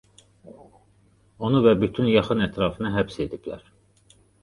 Onu və bütün yaxın ətrafını həbs ediblər.